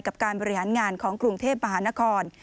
การบริหารงานของกรุงเทพมหานคร